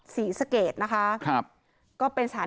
ศรีเกตนะคะครับก็เป็นสถานที่